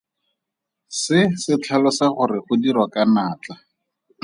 Se se tlhalosa gore go dirwa ka natla.